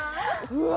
うわ！